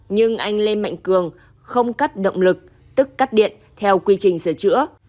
nhưng anh lê mạnh cường không cắt động lực tức cắt điện theo quy trình sửa chữa